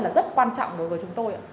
là rất quan trọng đối với chúng tôi